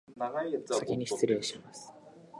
おさきにしつれいします